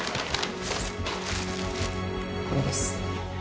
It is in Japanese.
これです。